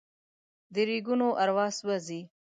د ریګونو اروا سوزي